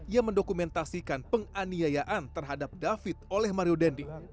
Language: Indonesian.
yang mendokumentasikan penganiayaan terhadap david oleh mario dendi